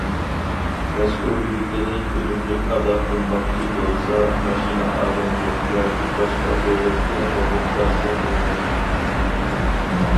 مەسئۇلىيىتىنى ئۈنۈملۈك ئادا قىلماقچى بولسا، ماشىنا ئادەمگە ياكى باشقا دۆلەتكە ھوقۇق بەرسە بولمايدۇ.